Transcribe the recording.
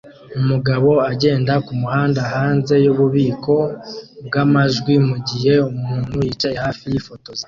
Umugabo agenda kumuhanda hanze yububiko bwamajwi mugihe umuntu yicaye hafi yifotoza